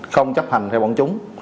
không chấp hành theo bọn chúng